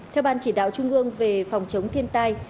theo ban chỉ đạo trung ương về phòng chống thiên tai